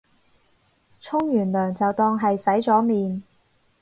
沖完涼就當係洗咗面